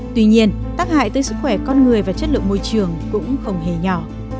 tuy nhiên tác hại tới sức khỏe con người và chất lượng môi trường cũng không hề nhỏ